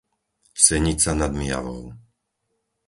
Senica nad Myjavou